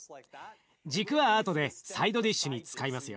軸は後でサイドディッシュに使いますよ。